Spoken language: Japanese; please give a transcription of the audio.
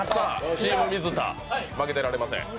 チーム水田、負けてられません。